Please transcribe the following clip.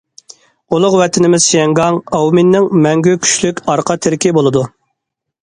ئۇلۇغ ۋەتىنىمىز شياڭگاڭ، ئاۋمېننىڭ مەڭگۈ كۈچلۈك ئارقا تىرىكى بولىدۇ.